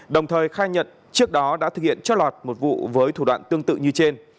đồng thời khai nhận trước đó đã thực hiện trót lọt một vụ với thủ đoạn tương tự như trên